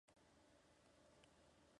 Es nativa de la región mediterránea.